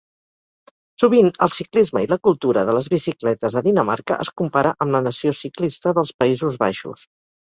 Sovint el ciclisme i la cultura de les bicicletes a Dinamarca es compara amb la nació ciclista dels Països Baixos.